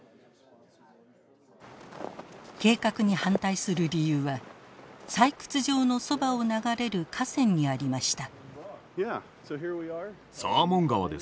計画に反対する理由は採掘場のそばを流れる河川にありました。